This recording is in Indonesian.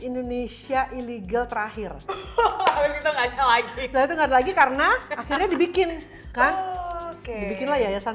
indonesia illegal terakhir itu nggak ada lagi karena akhirnya dibikin kan dibikinlah yayasan